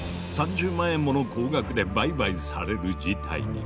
３０万円もの高額で売買される事態に。